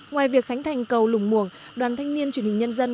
ngoài việc khánh thành cầu lùng muồng đoàn thanh niên truyền hình nhân dân